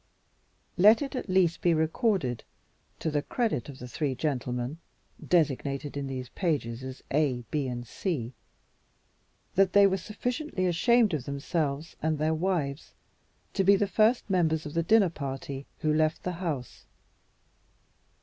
Let it at least be recorded to the credit of the three gentlemen, designated in these pages as A, B, and C, that they were sufficiently ashamed of themselves and their wives to be the first members of the dinner party who left the house.